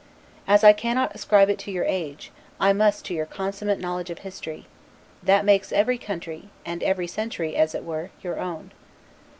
As I cannot ascribe it to your age, I must to your consummate knowledge of history, that makes every country, and every century, as it were, your own.